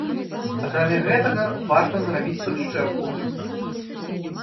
Акрамя гэтага варта зрабіць прышчэпку.